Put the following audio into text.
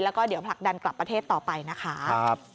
แล้วก็เดี๋ยวผลักดันกลับประเทศต่อไปนะคะ